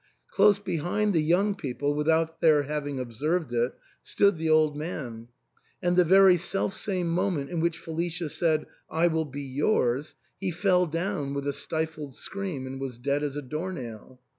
Close behind the young people, without their having observed it, stood the old man ; and the very self same moment in which Felicia said, * I will be yours,' he fell down with a stifled scream, and was dead as a door nail.